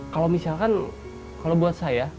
kalau misalkan kalau buat saya